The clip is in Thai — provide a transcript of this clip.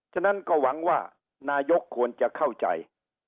ฉะนั้นก็หวังว่านายกควรจะเข้าใจ